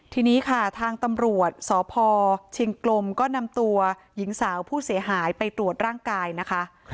ทีนี้ค่ะทางตำรวจสพชิงกลมก็นำตัวหญิงสาวผู้เสียหายไปตรวจร่างกายนะคะ